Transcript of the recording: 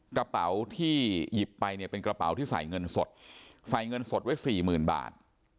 กระเป๋าที่หยิบไปเนี่ยเป็นกระเป๋าที่ใส่เงินสดใส่เงินสดไว้สี่หมื่นบาท